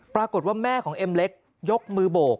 ปรากฏว่าแม่ของเอ็มเล็กยกมือโบก